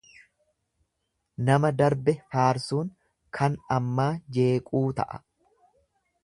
Nama darbe faarsuun kan ammaa jeequu ta'a.